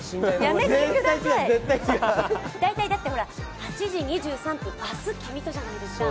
やめてください！大体、８時２３分、明日君とじゃないですか。